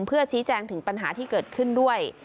เพื่อชี้แจงถึงปัญหาที่เกิดขึ้นด้วย